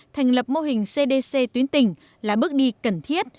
thành lập mô hình cdc tuyến tỉnh là bước đi cần thiết